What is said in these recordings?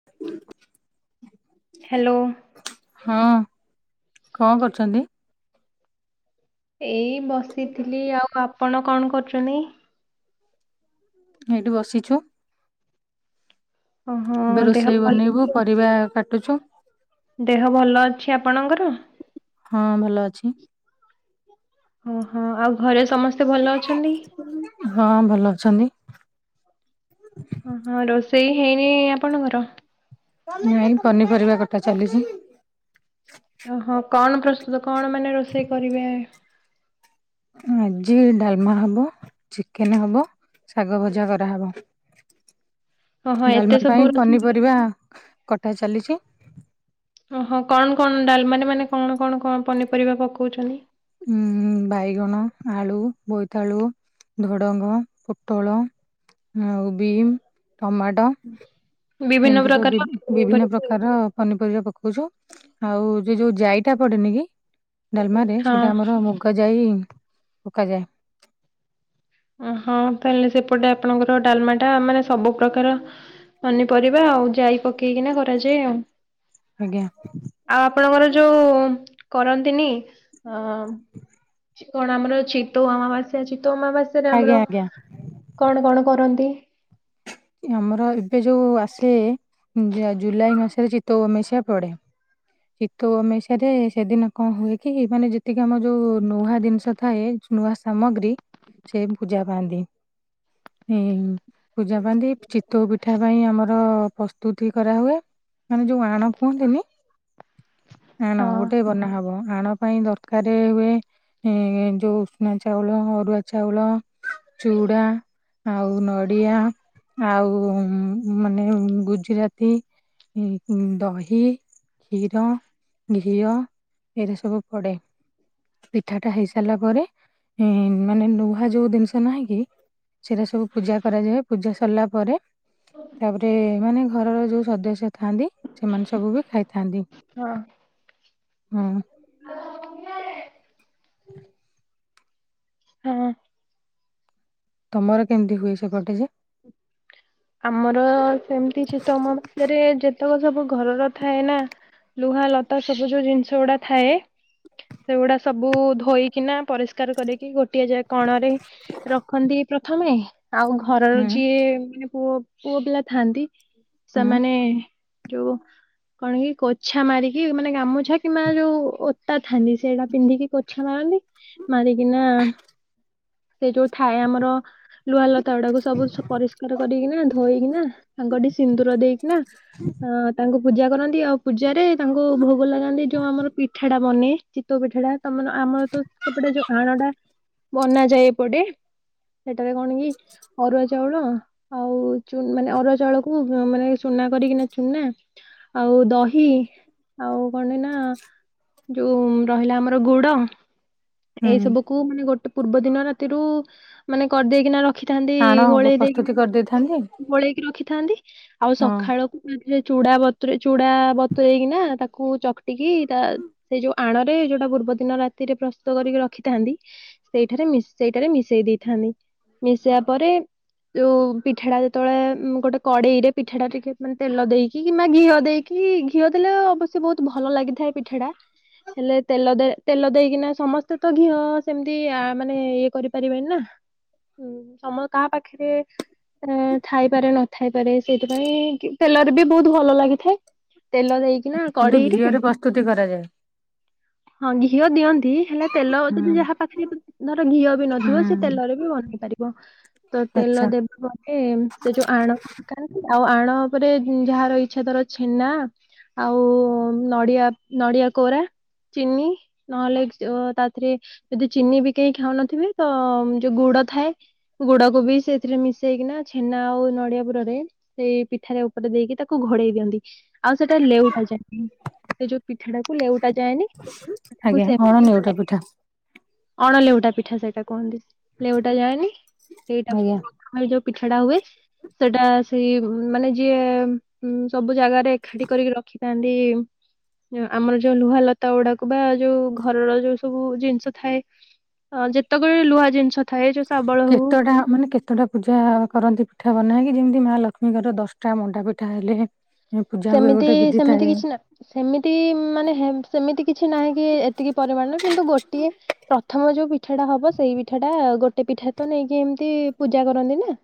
[unintelligible] Hello. ହଁ କଣ କରୁଛନ୍ତି? ଏଇ ବସିଥିଲି ଆଉ ଆପଣ କଣ କରୁଛନ୍ତି? ଏଇଠି ବସିଛୁ। ଓହୋ ଏବେ ଦେହ ରୋଷେଇ ଭଲ ବନେଇବୁ ଅଛି? ପରିବା କାଟୁଛୁ। ଦେହ ଭଲ ଅଛି ଆପଣଙ୍କର? ହଁ ଭଲ ଅଛି। ଓହୋ ଆଉ ଘରେ ସମସ୍ତେ ଭଲ ଅଛନ୍ତି? ହଁ ଭଲ ଅଛନ୍ତି। ଓ ହଁ ରୋଷେଇ ହେଇନି ଆପଣଙ୍କର? ନାଇଁ ପନିପରିବା କଥା ଚାଲିଚି। ଓହୋ କଣ ପ୍ରସ୍ତୁତ କଣ ମାନେ ରୋଷେଇ କରିବେ? ଆଜି ଡାଲମା ହବ, ଚିକେନ ହବ, ଶାଗ ଭଜା କରାହବ। [inaudible] ଏତେ ଡାଲମା ସବୁ ପାଇଁ ରୋଷେଇ ପନିପରିବା କଟା ଚାଲିଚି। ଓହୋ କଣ କଣ ଡାଲମାରେ ମାନେ କଣ କଣ କଣ ପନିପରିବା ପକଉଛନ୍ତି? ଉଁ ହୁଁ ବାଇଗଣ ଆଳୁ ବୋଇତାଳୁ। ଡୁଡ଼ଙ୍ଗ ପୋଟଳ ବିମ୍ ଟମାଟୋ। ବିଭିନ୍ନ ଏମିତି ସବୁ ପ୍ରକାର ବିଭିନ୍ନ ପନିପରିବା ପ୍ରକା ଆର ପନିପରିବା ପକଉଛ ଆଉ ସେ ଯୋଉ ଜାଇଟା ପଡେନି କି ଡାଲମାରେ ସେଇଟା ହଁ। ଆମର ମୁଗ ଯାଇ ପକାଯାଏ। ଓହଁ ତାହେଲେ ସେପଟେ ଆପଣଙ୍କର ଡାଲମା ଟା ମାନେ ସବୁ ପ୍ରକାର ପନିପରିବା ଆଉ ଯାଇ ପକେଇକିନା କରାଯାଏ ଆଉ। ଆଜ୍ଞା। ଆଉ ଆପଣଙ୍କର ଯୋଉ କରନ୍ତିନି ଅ କଣ ଆମର ଚିତୋଉ ଅମାବାସ୍ୟା ଚିତଉ ଅମାବାସ୍ୟରେ ଆଜ୍ଞା ଆମର ଆଜ୍ଞା କଣ କଣ କରନ୍ତି? ଆମର ଏବେ ଯୋଉ ଆସେ ଜୁଲାଇ ମାସରେ ଚିତଉ ଅମାବାସ୍ୟା ପଡେ। ଚିତଉ ଅମାବାସ୍ୟା ରେ ସେଦିନ କଣ ହୁଏ କି ମାନେ ଯେତିକି ଆମ ଯୋଉ ନୂଆ ଜିନିଷ ଥାଏ ନୂଆ ସାମଗ୍ରୀ ସେ ପୂଜା ପାଆନ୍ତି। ଏ ପୂଜା ପାଆନ୍ତି ଚିତୋଉ ପିଠା ପାଇଁ ଆମର ପ୍ରସ୍ତୁତି କରାହୁୁଏ। ମାନେ ଯୋଉ ଆଣ କୁହନ୍ତିନି ଆଣ ହଁ ଗୋଟେ ବନା ହବ। ଆଣ ପାଇଁ ଦରକାର ହୁଏ ଏ ଯୋଉ ଉଷ୍ନା ଚାଉଳ ଅରୁଆ ଚାଉଳ। ଚୁଡ଼ା ଆଉ ନଡ଼ିଆ। ଆଉ ମାନେ ଗୁଜୁରାତି ଇ ଇ ଦହି। କ୍ଷୀର ଘିଅ ଏଇଟା ସବୁ ପଡେ। ପିଠାଟା ହେଇ ସାରିଲା ପରେ ମାନେ ନୁହା ଯୋଉ ଜିନିଷ ନାହିଁ କି ସେଟା ସବୁ ପୂଜା କରାଯାଏ ପୂଜା ସରିଲା ପରେ ତାପରେ ମାନେ ଘରର ଯୋଉ ସଦସ୍ୟ ଥାଆନ୍ତି ସେମାନେ ସବୁ ବି ଖାଇଥାନ୍ତି। ହଁ। ହ। ହଁ ତମର କେମିତି ହୁଏ ସେପଟେ ଯେ? ଆମର ସେମିତି ସେ ତମରେ ଯେତେକ ସବୁ ଘରର ଥାଏ ନା ଲୁହା ଲତା ସବୁ ଯୋଉ ଜିନିଷ ଗୁଡ଼ା ଥାଏ ସେଗୁଡା ସବୁ ଧୋଇକିନା ପରିଷ୍କାର କରିକି ଗୋଟିଏ ଯାଏ କଣ ରେ ରଖନ୍ତି ପ୍ରଥମେ ଆଉ ଘରର ହୁଁ ଯିଏ ମାନେ ପୁଅ ପୁଅ ପିଲା ଥାନ୍ତି ହୁଁ ସେମାନେ ଯଉ କଣ କି କୋଛା ମାରିକି ମାନେ ଗାମୁଛା କିମ୍ବା ଯୋଉ ଓତା ଥାନ୍ତି ସେଇଟା ପିନ୍ଧିକି ଛା ମାରନ୍ତି। ମାରିକିନା ସେ ଯୋଉ ଥାଏ ଆମର ଲୁହାଲତା ଗୁଡାକୁ ସବୁ ପରିଷ୍କାର ରି କିନା ଧୋଇକିନା ତାଙ୍କ ଟିକେ ସିନ୍ଦୁର ଦେଇକିନା ଅନ୍ ତା ପୂଜା କରନ୍ତି ଆଉ ପୂଜାରେ ତାଙ୍କୁ ଭୋଗ ଲଗାନ୍ତି ଯୋଉ ଆମର ପିଠା ଟା ବନେ ଚିତଉ ପିଠାଟା ତମର ଆମର ତ ସେପଟେ ଯୋଉ ଆଣଟା ବନାଯାଏ ଏପଟେ, ସେଠାରେ କଣ କି ଅରୁଆ ଚାଉଳ ଆଉ ଚୂନ ମାନେ ଅର ଚାଉଳକୁ ମାନେ ଚୁନା କରିକିନା ଚୁନା ଆଉ ଦହି ଆଉ କଣ ନା ଯୋଉ ରହିଲା ଆମର ଗୁଡ ଏଇ ହୁଁ ସବୁ କୁ ମାନେ ଗୋଟେ ପୂର୍ବ ଦିନ ରାତିରୁ ମାନେ କରିଦେଇକିନା ର ରଖିଥାନ୍ତି ଆଣ ଗୋଳେଇ ଦେଇକି ପ୍ରସ୍ତୁତି କରିଦେଇଥାନ୍ତି ଗୋଳେଇକି ରଖିଥାନ୍ତି ଆଉ ହଁ ସକାଳକୁ ଉଁ ସେ ଚୁଡା ବତୁରେଇ ନା ଚୁଡା ବତୁରଇକିନା ତାକୁ ଚକଟିକି ତା ସେ ଯୋଉ ଆଣ ରେ ଯଉଟା ପୂର୍ବଦିନ ରାତିରେ ପ୍ରସ୍ତୁତ କରିକି ରଖିଥାନ୍ତି ସେଇଠାରେ ସେଇଠାରେ ମିଶେଇ ଦେଇଥାନ୍ତି ମିଶେଇବା ପରେ ଯୋଉ ପିଠା ଟା ଯେତେବେଳେ ଗୋଟେ କଡେଇ ରେ ପିଠା ଟା ଟିକେ ମାନେ ତେଲ ଦେଇକି କିମ୍ବା ଘିଅ ଦେଇ କି ଘିଅ ଦେଲେ ଅବଶ୍ୟ ବହୁତ ଭଲ ଲାଗିଥାଏ ପିଠା ଟା। ହେଲେ ତେଲ ତେଲ ଦେଇକିନା ସମସ୍ତେ ତ ଘିଅ ସେମିତି ଆ ମାନେ ଇଏ କରିପାରିବେନି ନା। ହୁଁ ସମ କାହା ପାଖରେ ଏ ଥାଇପାରେ ନଥାଇପାରେ ସେଇଥିପାଇଁ ତେଲରେ ବି ବହୁତ ଭଲ ଲାଗିଥାଏ। ତେଲ ଦେଇକିନା କିନ୍ତୁ କଡେଇରେ ଘିଅରେ ପ୍ରସ୍ତୁତି କରାଯାଏ। ହଁ ଘିଅ ଦିଅନ୍ତି ହେଲେ ତେଲ ହୁଁ ଯଦି ଯାହା ପା ଧର ଘିଅ ବି ନଥିବ ସେ ହୁଁ ତେଲରେ ବି ବନେଇ ପାରିବ, ତ ତେଲ ଆଚ୍ଛା ଦେବ ଏ ସେ ଯୋଉ ଆଣ ହକା ଆଉ ଆଣ ଉପରେ ଯାହାର ଇଚ୍ଛା ଧର ଛେନା ଆଉ ନଡ଼ିଆ, ନଡ଼ିଆ କୋରା, ଚିନି ନହେଲେ ଯୁ ତା ଥିରେ ଯଦି ଚିନି ବି କେହି ଖାଉନଥିବେ ତ ଯୋଉ ଗୁଡ଼ ଥାଏ। ଗୁଡ଼କୁ ବି ସେଥିରେ ମିଶେଇ କିନା ଛେନା ଆଉ ନଡ଼ିଆ ପୁରରେ ସେଇ ପିଠାରେ ଉପରେ ଦେଇକି ତାକୁ ଘୋଡେଇ ଦିଅନ୍ତି। ଆଉ ସେଟା ଲେଉଟା ଯାଏନି ସେ ଯୋଉ ପିଠାଟାକୁ ଲେଉଟା ଯାଏନି ତାକୁ ସେ କଣ ନେଉଟା ପିଠା ଅଣ ଲେଉଟା ପିଠା ସେଇଟା କୁହନ୍ତି, ଲେଉଟା ଯାଏନି ସେଟା ଆଜ୍ଞା ଘରେ ଯୋଉ ପିଠା ଟା ହୁଏ ସେଟା ସେଇ ମାନେ ଯିଏ ସବୁ ଜାଗାରେ ଏକାଠି କରିକି ରଖିଥାନ୍ତି ଆମର ଯୋଉ ଲୁହା ଲତା ଗୁଡ଼ାକୁ ବା ଯୋଉ ଘରର ଯୋଉ ସବୁ ଜିନିଷ ଥାଏ ହ ଯେତେକ ବି ଲୁହା ଜିନିଷ ଥାଏ ଯୋଉ ଶାବଳ ହଉ କେତେଟା ମାନେ କେ କେତଟା ପୂଜା କରନ୍ତି ପିଠା ବନେଇକି ଯେମିତି ମା ଲକ୍ଷ୍ମୀଙ୍କର ଦଶଟା ମଣ୍ଡା ପିଠା ହେଲେ ପୂଜା ହୁଏ ସେମିତି ଗୋଟେ ବିଧି ସେମିତି ଥାଏ। କିଛି ନା ସେମିତି ମାନେ ହେ ସେମିତି କିଛି ନାହିଁ କି ଏତିକି ପରିମାଣରେ କିନ୍ତୁ ଗୋଟିଏ ପ୍ରଥମ ଯୋଉ ପିଠା ଟା ହବ ସେଇ ପିଠା ଟା ଗୋଟେ ପିଠା ତ ନେଇକି ଏମିତି ପୂଜା କରନ୍ତି ନା।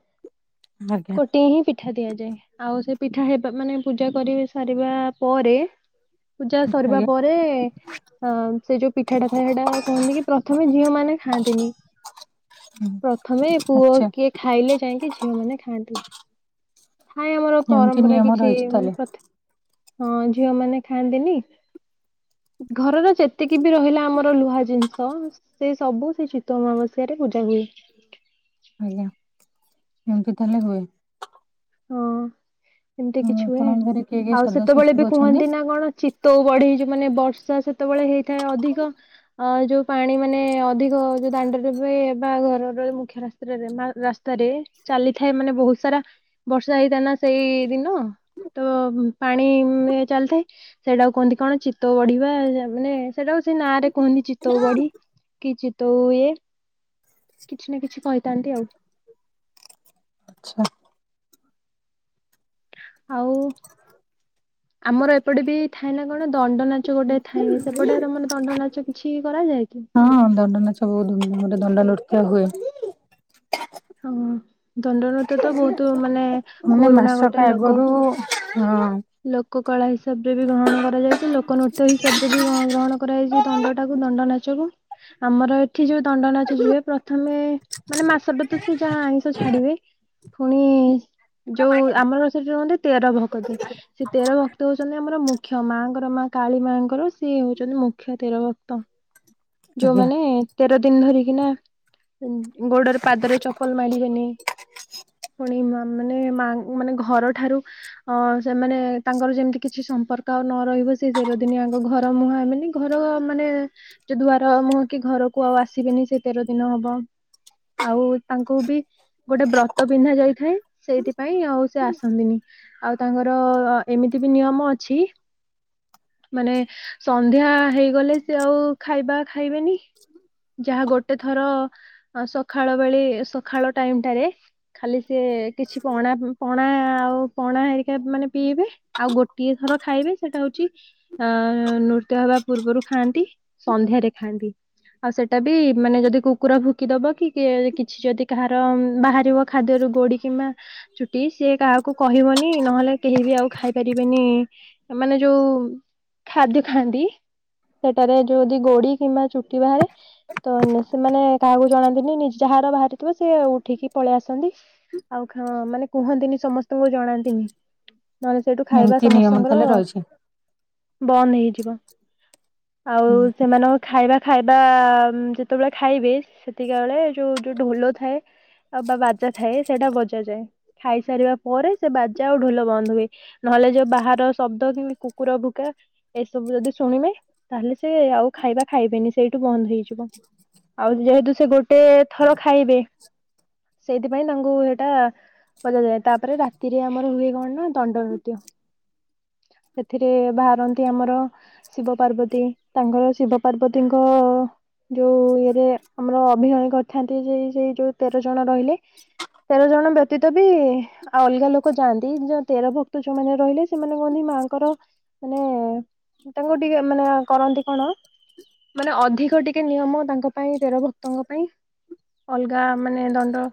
ଆଜ୍ଞା ଗୋଟିଏ ହିଁ ପିଠା ଦିଆଯାଏ ଆଉ ସେ ପିଠା ହେବା ମାନେ ପୂଜା କରି ସାରିବା ପରେ ପୂଜା ସରିବା ଆଜ୍ଞା ପରେ ଅ ସେ ଯୋଉ ପିଠାଟା ଥାଏ ହେଇଟା କୁହନ୍ତି କି ପ୍ରଥମେ ଝିଅ ମାନେ ଖାଆନ୍ତିନି। ହୁଁ, ପ୍ରଥମେ ପୁଅ ଆଚ୍ଛା କିଏ ଖାଇଲେ ଯାଇକି ଝିଅ ମାନେ ଖାଆନ୍ତି, ଥାଏ ଆମର ଏମିତି ପରମ୍ପରା ନିୟମ କିଛି ରହିଛି ସେ ତାହେଲେ ପ୍ରଥମେ ହଁ ଝିଅ ମାନେ ଖାଆନ୍ତିନି। ଘରର ଯେତିକି ବି ରହିଲା ଆମର ଲୁହା ଜିନିଷ ସେଇ ସବୁ ସେଇ ଚିତଉ ଅମାବାସ୍ୟାରେ ପୂଜା ହୁଏ। ହୁଁ ହୁଁ ଏମିତି ତାହେଲେ ହୁଏ। ହଁ ଏମିତି ହଁ, କିଛି ହୁଏ ଆପଣଙ୍କ ଘରେ କିଏ କିଏ ଆଉ ସଦସ୍ୟ ସେତେବେଳେ ସବୁ ବି ଅଛନ୍ତି କୁହନ୍ତି ନା କଣ ଚି ତୋଉ ବଢ଼େଇ ଯୋଉମାନେ ମାନେ ବର୍ଷା ସେତେବେଳେ ହେଇଥାଏ ଅଧିକ ଅ ଯୋଉ ପାଣି ମାନେ ଅଧିକ ଯୋଉ ଦାଣ୍ଡରେ ବା ଘରର ମୁଖ୍ୟ ରା ତ୍ରିର ରାସ୍ତାରେ ଚାଲିଥାଏ ମାନେ ବହୁତ ସାରା ବର୍ଷା ହେଇଥାଏ ନା ସେଇ ଦିନ। ତ ପାଣି ଚାଲିଥାଏ ସେଟାକୁ କୁହନ୍ତି କଣ ଚୀତଉ ବଢ଼ିବା ମାନେ ସେଟାକୁ ସେ ନାଁ ରେ କୁହନ୍ତି ଚିତଉ ବଢ଼ି କି ଚିତଉ ଇଏ କିଛି ନା କିଛି କହିଥାନ୍ତି ଆଉ। ଆଚ୍ଛା ଆଉ ଆମର ଏପଟେ ବି ଥାଏ ନା କଣ ଦଣ୍ଡ ନାଚ ଗୋଟେ ଥାଏ, ସେପଟେ ତମର ଦଣ୍ଡ ନାଚ କିଛି କରାଯାଏ କି? ହଁ ଦଣ୍ଡ ନାଚ ବହୁତୁ ଗୋଟେ ଦଣ୍ଡା ନୃତ୍ୟ ହୁଏ। ହଁ ଦଣ୍ଡନୃତ୍ୟ ତ ବହୁତୁ ମାନେ ମାନେ ପୁରୁଣା ଗୋଟେ ମାସକ ଲୋକ ଆଗରୁ ହଁ। ଲୋକ କଳା ହିସାବ ରେ ବି ଗ୍ରହଣ କରାଯାଇଛି ଲୋକ ନୃତ୍ୟ ହିସାବରେ ବି ଗ୍ରହଣ କରାଯାଇଛି ଦଣ୍ଡ ଟାକୁ ଦଣ୍ଡ ନାଚ ଆମର ଏଠି ଯୋଉ ଦଣ୍ଡ ନାଚ ଯୁ ହୁଏ ପ୍ରଥମେ ମାନେ ମାସଟେ ତ ସେ ଯାହା ଆଇଁଷ ଛାଡ଼ିବେ। ପୁଣି ଯୋଉ ଆମର ର ସେଠି ରୁହନ୍ତି ତେର ଭକତେ। ସେ ତେର ଭକ୍ତ ହଉଛନ୍ତି ଆମର ମୁଖ୍ୟ ମାଙ୍କର ମା କାଳୀ ମାଙ୍କର ସିଏ ହଉଛନ୍ତି ମୁଖ୍ୟ ତେର ଭକ୍ତ। ଆଜ୍ଞା ଯୋଉମାନେ ତେର ଦିନ ଧରିକି ନା ଗୋଡ଼ରେ ପାଦରେ ଚପଲ ମାଡିବେନି। ପୁଣି ମାନେ ମା ମାନେ ଘରଠାରୁ ଅ ସେମାନେ ତାଙ୍କର ଯେମିତି କିଛି ସମ୍ପର୍କ ଆଉ ନ ରହିବ ସେ ତେର ଦିନିଆଙ୍କ ଘର ମୁହାଁ ହେବେନି ଘର ମାନେ ଯୋ ଦୁଆାର ମୁହଁ କି ଘରକୁ ଆଉ ଆସିବେନି ସେ ତେର ଦିନ ହବ। ଆଉ ତାଙ୍କୁ ବି ଗୋଟେ ବ୍ରତ ପିନ୍ଧା ଯାଇଥାଏ ସେଇଥିପାଇଁ ଆଉ ସେ ଆସନ୍ତିନି ଆଉ ତାଙ୍କର ଏମିତି ବି ନିୟମ ଅଛି ମାନେ ସନ୍ଧ୍ୟା ହେଇଗଲେ ସିଏ ଆଉ ଖାଇବା ଖାଇବେନି ଯାହା ଗୋଟେ ଥର ସକାଳ ବେଳେ ସକାଳ ଟାଇମ ଟାରେ ଖାଲି ସେି କିଛି ପଣା ପଣା ଆଉ ପଣା ହେରିକା ମାନେ ପିଇବେ ଆଉ ଗୋଟିଏ ଥର ଖାଇବେ ସେଇଟା ହଉଛି ଅ ନୃତ୍ୟ ହବା ପୂର୍ବରୁ ଖାଆନ୍ତି ସନ୍ଧ୍ୟାରେ ଖାଆନ୍ତି। ଆଉ ସେଇଟା ବି ମାନେ ଯଦି କୁକୁର ଭୁକିଦବ କି କିଛି ଯଦି କାହାର ବାହାରିବ ଖାଦ୍ୟରୁ ଗୋଡି କିମ୍ବା ଚୁଟି ସିଏ କାହାକୁ କହିବନି ନହେଲେ କେହି ବି ଆଉ ଖାଇ ପାରିବେନି ମାନେ ଯୋଉ ଖାଦ୍ୟ ଖାଆନ୍ତି। ସେଟାରେ ଯୋଉଦି ଗୋଡି କିମ୍ବା ଚୁଟି ବାହାରେ ତ ସେମାନେ କାହାକୁ ଜଣାନ୍ତିନି ନି ଯାହାର ବାହାରିଥିବ ସେ ଉଠିକି ପଳେଇ ଆସନ୍ତି। ଆଉଁ ମାନେ କୁହନ୍ତିନି ସମସ୍ତଙ୍କୁ ଜଣାନ୍ତିନି। ନହେଲେ ସେଇଠୁ ଖାଇବା ଏମିତି ନିୟମ ସମସ୍ତଙ୍କର ତାହେଲେ ରହିଛି ବନ୍ଦ ହେଇଯିବ। ଆଉ ହୁଁ ସେମାନଙ୍କ ଖାଇବା ଖାଇବା ଯେତେବେଳେ ଖାଇବେ ସେତିକ ବେଳେ ଯୋଉ ଯୋଉ ଢୋଲ ଥାଏ। ଆଉ ବା ବାଜା ଥାଏ ସେଇଟା ବଜା ଯାଏ ଖାଇସାରିବା ପରେ ସେ ବାଜା ଆଉ ଢୋଲ ବନ୍ଦ ହୁଏ। ନହେଲେ ଯୋଉ ବାହାର ଶବ୍ଦ କିମ କୁକୁର ଭୁକା ଏସବୁ ଯଦି ଶୁଣିବେ ତାହେଲେ ସେ ଆଉ ଖାଇବା ଖାଇବେନି ସେଇଠୁ ବନ୍ଦ ହେଇଯିବ। ଆଉ ଯେହେତୁ ସେ ଗୋଟେ ଥର ଖାଇବେ ସେଇଥିପାଇଁ ତାଙ୍କୁ ସେଇଟା ବଜ ଯାଏ ତାପରେ ରାତିରେ ଆମର ହୁଏ କଣ ନା ଦଣ୍ଡ ଋତୁ। ସେଥିରେ ବାହାରନ୍ତି ଆମର ଶିବ ପାର୍ବତୀ ତାଙ୍କର ଶିବ ପାର୍ବତୀଙ୍କ ଯୋଉ ଇଏରେ ଆମର ଅଭିନୟ କରିଥାନ୍ତି ଯେ ସେଇ ଯୋଉ ତେର ଜଣ ରହିଲେ ତେର ଜଣ ବ୍ୟତୀତ ବି ଆଉ ଅଲଗା ଲୋକ ଯାଆନ୍ତି ଯୋଉ ତେର ଭ ଯୋଉମାନେ ରହିଲେ ସେମାନେ କୁହନ୍ତି ମାଙ୍କର ମାନେ ତାଙ୍କୁ ଟିକେ ମାନେ କରନ୍ତି କଣ ମାନେ ଅଧିକ ଟିକେ ନିୟମ ତାଙ୍କ ପାଇଁ ତେର ଭକ୍ତଙ୍କ ପାଇଁ। ଅଲଗା ମାନେ ଦଣ୍ଡ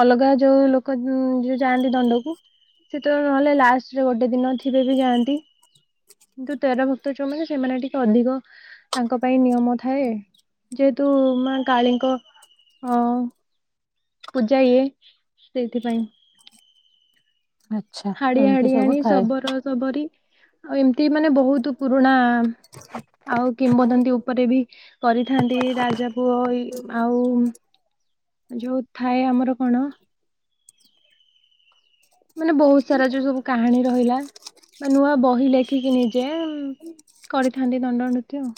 ଅଲଗା ଯୋଉ ଲୋକ ଯୋଉ ଯାଆନ୍ତି ଦଣ୍ଡକୁ ସେ ତ ନହେଲେ ଲା ସରେ ଗୋଟେ ଦିନ ଥିବେ ବି ଯାଆନ୍ତି କିନ୍ତୁ ତେର ଭକ୍ତ ଯୋଉମାନୋନ ସେମାନେ ଟିକେ ଅଧିକ ତାଙ୍କ ପାଇଁ ନିୟମ ଥାଏ ଯେହେତୁ ମା କାଳୀଙ୍କ ହଁ ପୂଜା ଇଏ ସେଇଥିପାଇଁ। ଆଚ୍ଛା ହାଡି ଏମିତି ହାଡି ସବୁ ଆଣି ଥାଏ ଶବର ସବରି ଆଉ ଏମିତି ମାନେ ବହୁତ ପୁରୁଣା ଆଉ କିମ୍ବଦନ୍ତୀ ଉପରେ ବି କରିଥାନ୍ତି ରାଜା ପୁଅଇ ଆଉ ଯୋଉ ଥାଏ ଆମର କଣ ମାନେ ବହୁତ ସାରା ଯୋଉ ସବୁ କାହାଣୀ ରହିଲା ବା ନୂଆ ବହି ଲେଖିକି ନିଜେ କରିଥାନ୍ତି ଦଣ୍ଡନୃତ୍ୟ ଆଉ।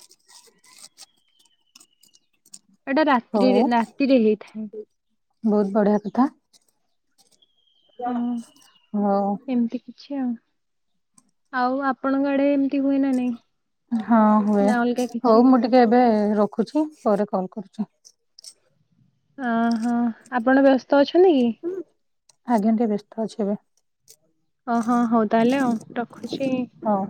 ଏଇଟା ହଉ ରାତ୍ରିରେ ରାତିରେ ହେଇଥାଏ। ବହୁତ ବଢିଆ କଥା। ହୁଁ। ହଉ। ଏମିତି କିଛି ଆଉ, ଆଉ ଆପଣଙ୍କ ଆଡେ ଏମିତି ହୁଏ ନା ନାଇଁ? ହଁ ହୁଏ, ନା ଅଲଗା କିଛି ହଉ ମୁଁ ଟିକେ ଏବେ ରଖୁଛି ପରେ କଲ୍ କରୁଛି। ଅ- ହଁ ଆପଣ ବ୍ୟସ୍ତ ଅଛନ୍ତି କି? ଆଜ୍ଞା ଟିକେ ବ୍ୟସ୍ତ ଅଛି ଏବେ। ଓ ହଁ ହଉ ତାହେଲେ ଆଉ ରଖୁଛି। ହଉ।